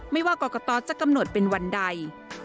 ไม่ว่ากรกตจะกำหนดเป็นวันใด